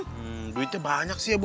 hmm duitnya banyak sih ya bu